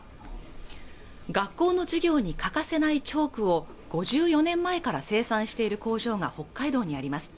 学校の授業に欠かせないチョークを５４年前から生産している工場が北海道にあります